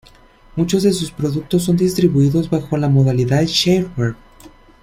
Muchos de sus productos son distribuidos bajo la modalidad shareware.